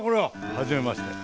はじめまして。